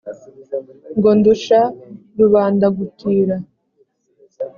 Ngo ndusha rubanda gutira!